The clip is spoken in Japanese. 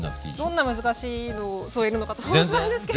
どんな難しいのを添えるのかと思ったんですけど。